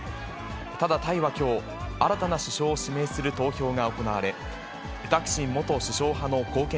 ただ、タイはきょう、新たな首相を指名する投票が行われ、タクシン元首相派の貢献